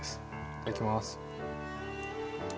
いただきます。